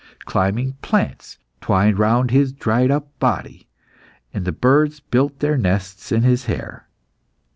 Climbing plants twined round his dried up body, and the birds built their nests in his hair.